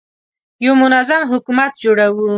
یو منظم حکومت جوړوو.